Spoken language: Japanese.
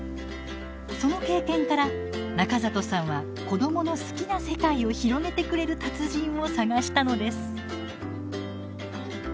その経験から中里さんは子どもの好きな世界を広げてくれる達人を探したのです。